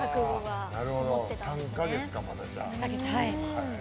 ３か月か、まだ、じゃあ。